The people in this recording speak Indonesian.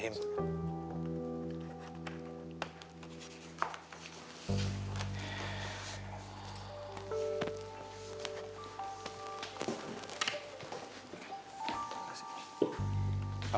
ya sudah terhukum pak